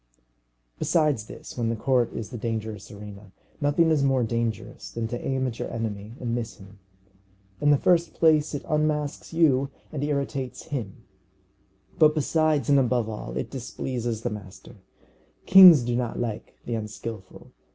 Besides this, when the court is the dangerous arena, nothing is more dangerous than to aim at your enemy and miss him. In the first place, it unmasks you and irritates him; but besides and above all, it displeases the master. Kings do not like the unskilful.